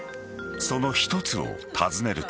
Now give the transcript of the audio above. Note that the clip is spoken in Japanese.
その１つを訪ねると。